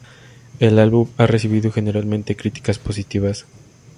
El álbum ha recibido generalmente críticas positivas.